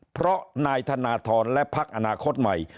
เพราะนายธนทรและพักอนาคตใหม่